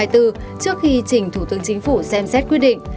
trước khi trình thủ tướng chính phủ xem xét quyết định